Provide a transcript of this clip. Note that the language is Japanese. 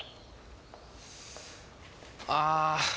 ああ。